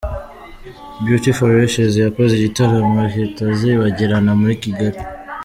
Beauty For Ashes yakoze igitaramo kitazibagirana muri Kigali.